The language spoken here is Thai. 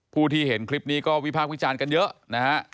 ผู้ที่เห็นคลิปนี้ก็วิพากษ์วิจารณ์กันเยอะนะฮะ